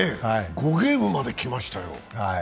５ゲームまできましたよ。